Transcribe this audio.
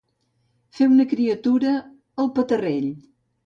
Fer, una criatura, el petarrell.